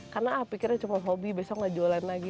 karena pikirnya cuma hobi besok nggak jualan lagi